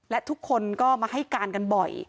และทุกคนก็มาให้การกันบ่อย